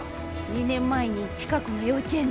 ２年前に近くの幼稚園でね